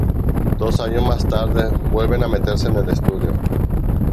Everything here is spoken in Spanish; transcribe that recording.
Dos años más tarde vuelven a meterse en el estudio.